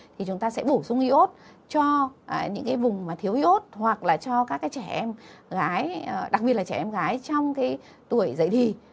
thì chúng ta sẽ bổ sung iốt cho những vùng mà thiếu iốt hoặc là cho các trẻ em gái đặc biệt là trẻ em gái trong tuổi dậy thì